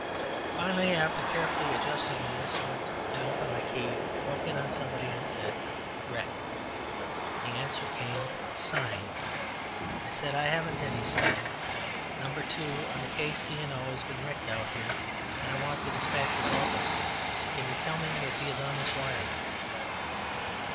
Finally, after carefully adjusting the instrument, I opened my key, broke in on somebody, and said "Wreck." The answer came, "Sine." I said, "I haven't any sine. No. 2 on the C. K. & Q. has been wrecked out here, and I want the despatcher's office. Can you tell me if he is on this wire?"